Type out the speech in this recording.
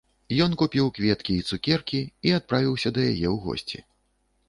Ён купіў кветкі і цукеркі і адправіўся да яе ў госці.